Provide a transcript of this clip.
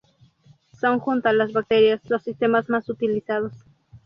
Son junto con las bacterias los sistemas más utilizados.